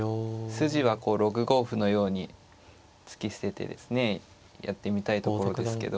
筋はこう６五歩のように突き捨ててですねやってみたいところですけど。